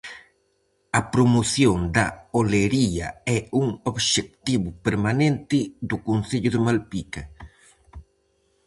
A promoción da olería é un obxectivo permanente do Concello de Malpica.